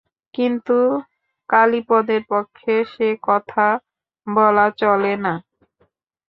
কিন্তু কালীপদর পক্ষে সে কথা বলা চলে না।